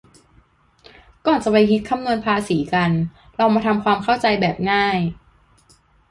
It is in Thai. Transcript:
ก่อนจะไปคิดคำนวณภาษีกันลองมาทำความเข้าใจแบบง่าย